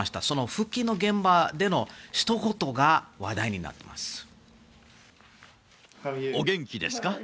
その復帰の現場でのひと言が話題になっています。